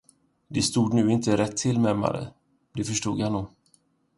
Det stod nu inte rätt till med Mari, det förstod han nog.